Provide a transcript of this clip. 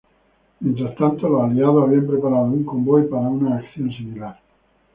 Mientras tanto, los Aliados habían preparado un convoy para una acción similar.